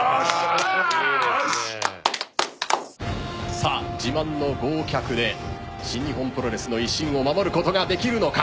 さあ自慢の豪脚で新日本プロレスの威信を守ることができるのか。